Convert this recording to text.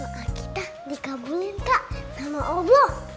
maka kita dikabulin kak sama om reno